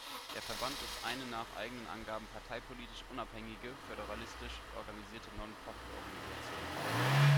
Der Verband ist eine nach eigenen Angaben parteipolitisch unabhängige, föderalistisch organisierte Non-Profit-Organisation.